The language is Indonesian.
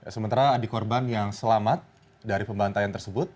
sementara adik korban yang selamat dari pembantaian tersebut